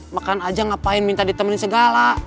makan aja ngapain minta ditemen segala